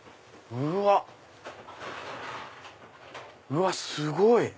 うわっすごい！